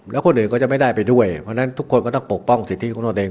แล้วคนอื่นก็จะไม่ได้ไปด้วยเพราะฉะนั้นทุกคนก็ต้องปกป้องสิทธิของตนเอง